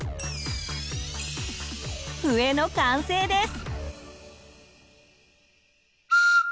笛の完成です。